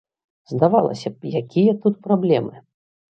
Здавалася б, якія тут праблемы?